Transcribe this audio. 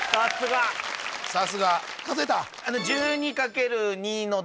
さすが数えた？